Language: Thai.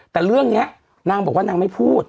แต่เรื่องนี้นางบอกว่านางไม่พูด